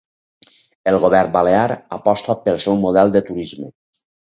El govern balear aposta pel seu model de turisme